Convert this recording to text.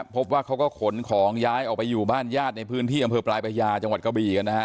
พบว่าเขาก็ขนของย้ายออกไปอยู่บ้านญาติในพื้นที่อำเภอปลายพระยาจังหวัดกะบีกันนะฮะ